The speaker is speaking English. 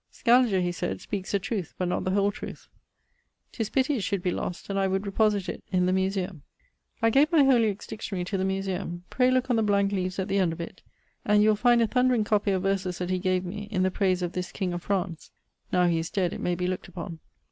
'Scaliger,' he sayd, 'speakes the truth, but not the whole truth.' 'Tis pity it should be lost, and I would reposit it in the Museum. I gave my Holyoke's dictionary to the Museum. Pray looke on the blank leaves at the end of it, and you will find a thundering copie of verses that he gave me, in the praise of this king of France. Now he is dead, it may be look't upon.